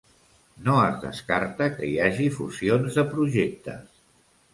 No es descarta que hi hagi fusions de projectes.